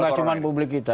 enggak cuman publik kita